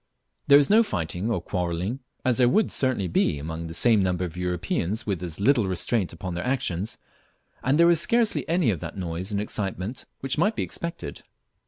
There is no fighting or quarrelling, as there would certainly be among the same number of Europeans with as little restraint upon their actions, and there is scarcely any of that noise and excitement which might be expected.